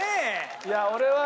いや俺は。